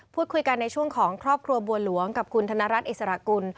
พูดคุยกันในช่วงของครอบครัวบัวหลวงกับคุณธนรัฐอิสระกุล